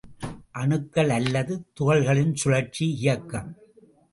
அணுக்கள் அல்லது துகள்களின் சுழற்சி இயக்கம்.